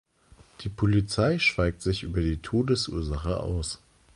Die Polizei schweigt sich über die Todesursache aus.